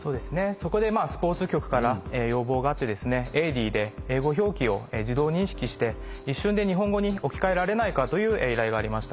そこでスポーツ局から要望があって「エイディ」で英語表記を自動認識して一瞬で日本語に置き換えられないかという依頼がありました。